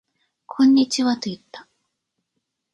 こんにちはと言った